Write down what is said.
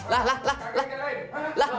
lah lah lah